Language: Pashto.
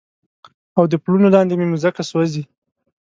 او د پلونو لاندې مې مځکه سوزي